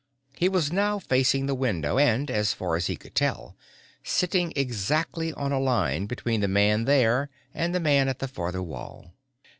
He was now facing the window and, as far as he could tell, sitting exactly on a line between the man there and the man at the farther wall.